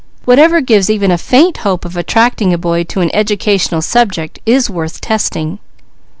"Whatever gives even a faint hope of attracting a boy to an educational subject is worth testing."